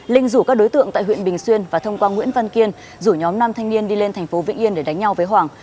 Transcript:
linh rủ các đối tượng tại huyện bình xuyên và thông qua nguyễn văn kiên rủ nhóm năm thanh niên đi lên thành phố vĩnh yên để đánh nhau với hoàng